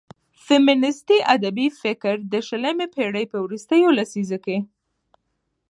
فيمينستي ادبي فکر د شلمې پېړيو په وروستيو لسيزو کې